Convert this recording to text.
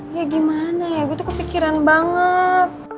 ya gimana ya gue tuh kepikiran banget